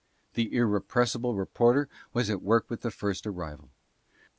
The irrepressible re porter was at work with the first arrival.